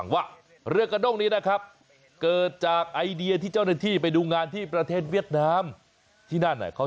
เม้าพายถ้าพายไม่ดีมัฉะ